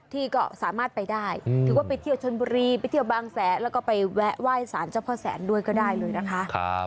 ที่ก็สามารถไปได้ถือว่าไปเที่ยวชนบุรีไปเที่ยวบางแสนแล้วก็ไปแวะไหว้สารเจ้าพ่อแสนด้วยก็ได้เลยนะคะ